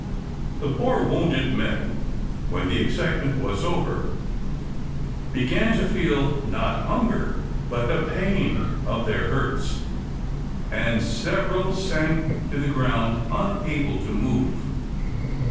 The poor wounded men, when the excitement was over, began to feel not hunger, but the pain of their hurts, and several sank to the ground unable to move.